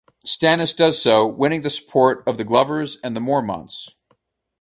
Stannis does so, winning the support of the Glovers and the Mormonts.